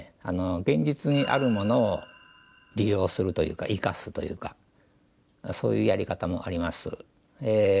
現実にあるものを利用するというか生かすというかそういうやり方もあります。